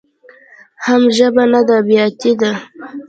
حم ژبه نده بياتي ده.